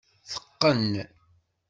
Teqqen.